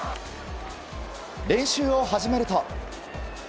練習を始めると。